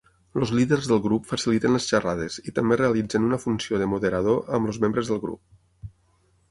Els líders del grup faciliten les xerrades i també realitzen una funció de moderador amb els membres del grup.